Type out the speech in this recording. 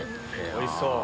おいしそう。